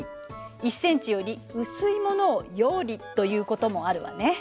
１ｃｍより薄いものを葉理ということもあるわね。